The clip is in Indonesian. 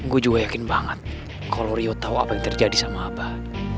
gue juga yakin banget kalau rio tahu apa yang terjadi sama abah